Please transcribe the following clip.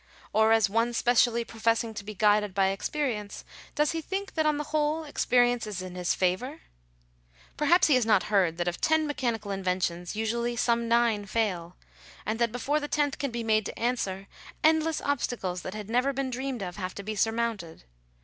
Or, as one specially professing to be guided by dxperience, does he think that on the whole experience is in his favour ? Perhaps he has not heard that of ten mechanical inventions, usually some nine fail ; and that, before the tenth can be made to answer, endless obstacles that had never been dreamed of have to be surmounted.